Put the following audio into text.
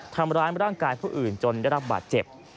ทำร้ายร่างกายผู้อื่นจนได้รับบาดเจ็บ